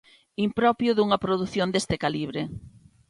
Impropio dunha produción deste calibre.